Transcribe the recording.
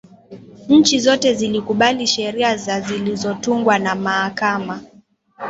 nchi zote zilikubali sheria za zilizotungwa na mahakama